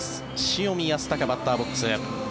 塩見泰隆、バッターボックス。